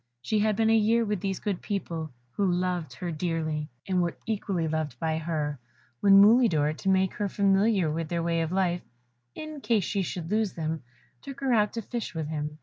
She had been a year with these good people, who loved her dearly, and were equally loved by her, when Mulidor, to make her familiar with their way of life, in case she should lose them, took her out to fish with him.